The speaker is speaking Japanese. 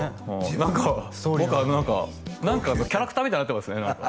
何か僕何か何かのキャラクターみたいになってますねで